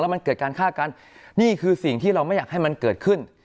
มันเกิดการฆ่ากันนี่คือสิ่งที่เราไม่อยากให้มันเกิดขึ้น